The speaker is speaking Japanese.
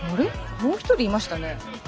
もう一人いましたね。